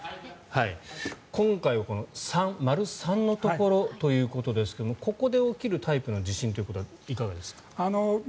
今回は丸３のところということですがここで起きるタイプの地震ということはいかがですか。